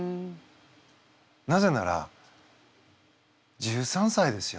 なぜなら１３歳ですよ。